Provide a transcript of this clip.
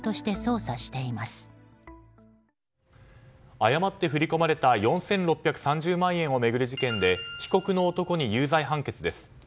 誤って振り込まれた４６３０万円を巡る事件で被告の男に有罪判決です。